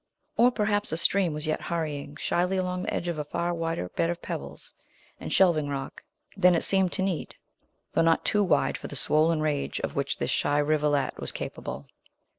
Or, perhaps, a stream was yet hurrying shyly along the edge of a far wider bed of pebbles and shelving rock than it seemed to need, though not too wide for the swollen rage of which this shy rivulet was capable.